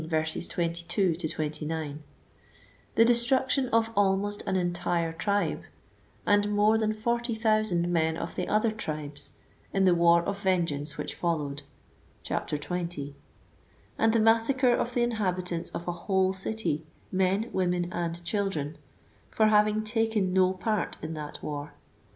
22 — ^29,) the destruction of almost an entire tribe, and more than 40,000 men of the other tribes, in the war of vengeance which fol lowed ; (xx.) and the massacre of the inhabitants of a whole city, men, women and children, for having taken no part in that war.